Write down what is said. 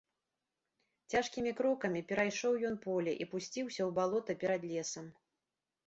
Цяжкімі крокамі перайшоў ён поле і спусціўся ў балота перад лесам.